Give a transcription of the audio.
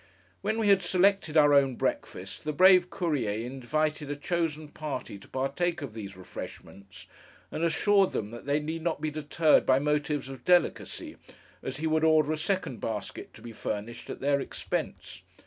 When we had selected our own breakfast, the brave Courier invited a chosen party to partake of these refreshments, and assured them that they need not be deterred by motives of delicacy, as he would order a second basket to be furnished at their expense.